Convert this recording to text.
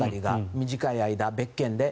短い間、別件で。